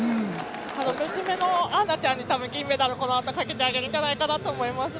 娘のアンナちゃんに銀メダル、このあとにかけてあげるんじゃないかと思います。